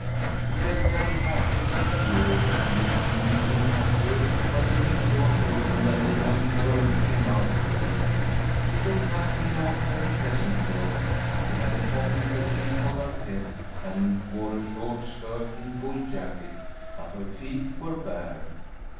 He felt very happy and secure, and became even happier when the mill door opened and a young girl came out to him. She looked like an ordinary peasant girl. She had a cotton kerchief on her head and wore a short skirt and full jacket, but her feet were bare.